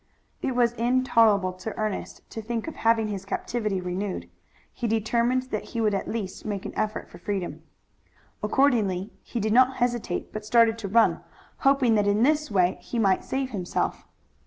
It was intolerable to Ernest to think of having his captivity renewed. He determined that he would at least make an effort for freedom. Accordingly he did not hesitate, but started to run, hoping that in this way he might save himself.